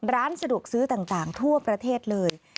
ร้านสะดวกซื้อต่างทั่วประเทศเลย